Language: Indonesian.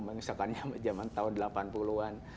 misalkan zaman tahun delapan puluh an